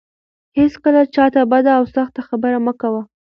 هيڅکله چا ته بده او سخته خبره مه کوه.